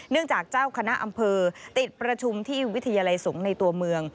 จากเจ้าคณะอำเภอติดประชุมที่วิทยาลัยสงฆ์ในตัวเมือง